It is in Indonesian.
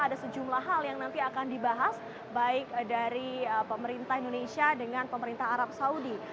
ada sejumlah hal yang nanti akan dibahas baik dari pemerintah indonesia dengan pemerintah arab saudi